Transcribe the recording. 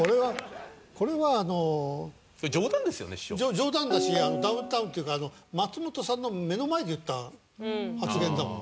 冗談だしダウンタウンというか松本さんの目の前で言った発言だもん。